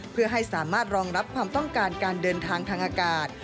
เพื่อให้สามารถรองรับความต้องการการเดินทางทางอากาศ